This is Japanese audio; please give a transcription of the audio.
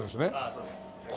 そうです。